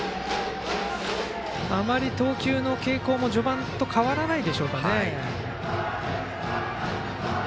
あまり投球の傾向も序盤と変わらないか。